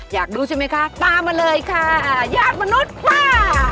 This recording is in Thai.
อยากรู้ใช่ไหมคะตามมาเลยค่ะญาติมนุษย์ป้า